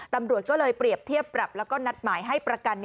ตำรวจก็เลยเปรียบเทียบปรับแล้วก็นัดหมายให้ประกัน